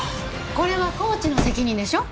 これはコーチの責任でしょ？